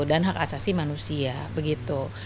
dan hak asasi manusia begitu